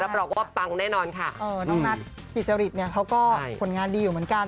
น้องนัทผิดจริตเนี่ยเขาก็ผลงานดีอยู่เหมือนกัน